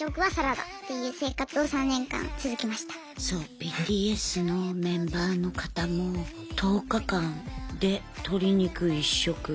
ＢＴＳのメンバーの方も１０日間で鶏肉１食。